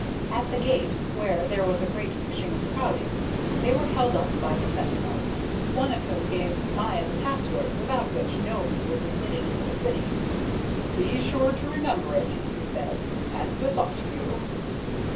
At the gate, where there was a great pushing and crowding, they were held up by the sentinels, one of whom gave Maya the password without which no bee was admitted into the city. "Be sure to remember it," he said, "and good luck to you."